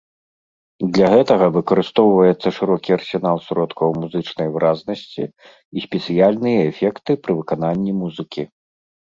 Для гэтага выкарыстоўваецца шырокі арсенал сродкаў музычнай выразнасці і спецыяльныя эфекты пры выкананні музыкі.